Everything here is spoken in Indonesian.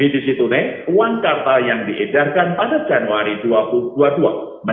di situ neng banesa akan mencoba untuk melakukan peluasan kerjasama grids antarmegara di kawasan